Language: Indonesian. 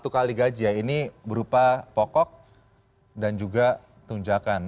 satu kali gaji ya ini berupa pokok dan juga tunjakan